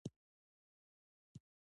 افغانستان د لوگر لپاره مشهور دی.